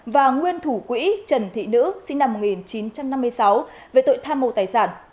và nguyên thủ quỹ trần thị nữ sinh năm một nghìn chín trăm năm mươi sáu về tội tham mô tài sản